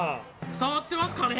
伝わってますかね？